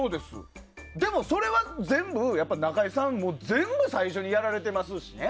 でも、それは全部中居さんが全部最初にやられていますしね。